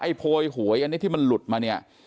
โพยหวยอันนี้ที่มันหลุดมาเนี่ย